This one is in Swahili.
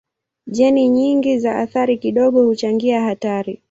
Jeni nyingi za athari kidogo huchangia hatari.